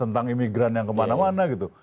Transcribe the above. tentang imigran yang kemana mana gitu